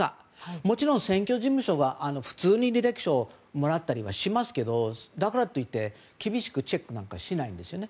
もちろん選挙事務所は、普通に履歴書をもらったりしますがだからといって厳しくチェックなんかしないんですね。